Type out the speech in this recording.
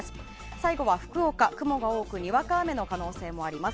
最後は福岡、雲が多くにわか雨の可能性もあります。